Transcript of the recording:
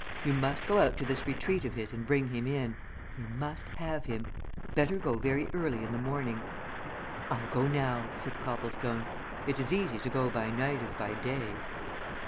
You must go out to this retreat of his and bring him in we must have him. Better go very early in the morning. "I'll go now," said Copplestone. "It's as easy to go by night as by day."